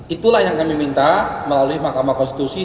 itulah yang kami minta melalui mahkamah konstitusi